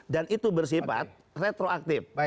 dan itu bersifat retroaktif